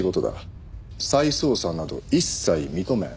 再捜査など一切認めん。